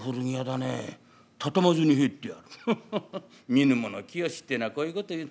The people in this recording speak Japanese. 見ぬもの清しってぇのはこういうこと言う。